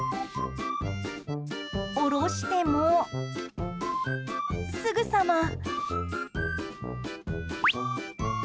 下ろしても、すぐさま。